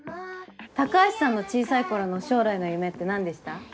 高橋さんの小さい頃の将来の夢って何でした？